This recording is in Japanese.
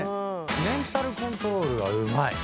メンタルコントロールがうまい。